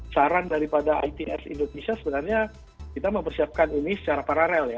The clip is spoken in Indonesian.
saran daripada its indonesia sebenarnya kita mempersiapkan ini secara paralel ya